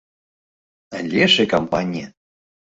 Але ж і кампанія!